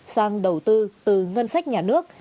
sang đầu tư từ ngân sách nhà nước